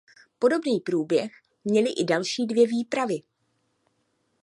Podobný průběh měly i další dvě výpravy.